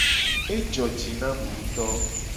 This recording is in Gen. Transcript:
Ejo ji na mu nguto.